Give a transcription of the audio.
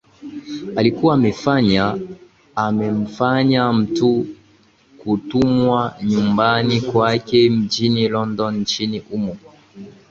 alikuwa amefanya amemfanya mtu kutumwa nyumbani kwake mjini london nchini humo